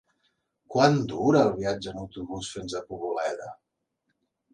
Quant dura el viatge en autobús fins a Poboleda?